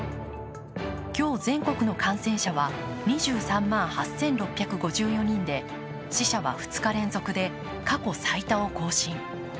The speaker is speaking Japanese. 今日、全国の感染者は２３万８６５４人で死者は２日連続で過去最多を更新。